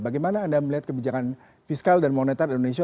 bagaimana anda melihat kebijakan fiskal dan moneter di indonesia